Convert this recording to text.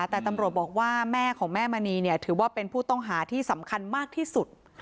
แต่ตำรวจบอกว่าแม่ของแม่มณีถือว่าเป็นผู้ต้องหาที่สำคัญมากที่สุด